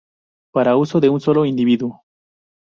Para uso de un solo individuo.